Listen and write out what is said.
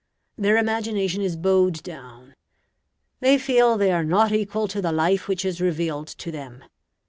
Their imagination is bowed down; they feel they are not equal to the life which is revealed to them.